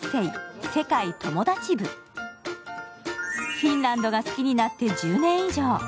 フィンランドが好きになって１０年以上。